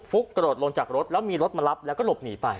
กระโดดลงจากรถแล้วมีรถมารับแล้วก็หลบหนีไป